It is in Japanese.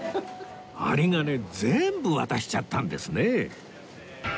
有り金全部渡しちゃったんですね